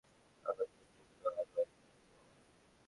কাগজপত্রগুলো আলমারিতে রাখো, মামা।